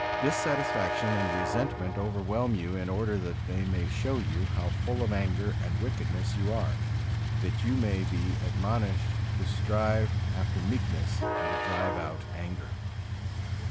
Dissatisfaction and resentment overwhelm you in order that they may show you how full of anger and wickedness you are, that you may be admonished to strive after meekness and to drive out anger.